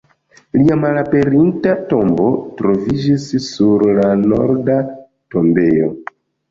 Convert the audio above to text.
Lia malaperinta tombo troviĝis sur la Norda tombejo.